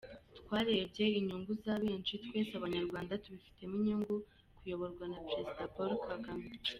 Twarebye inyungu za benshi, twese Abanyarwanda tubifitemo inyungu kuyoborwa na Perezida Paul Kagame.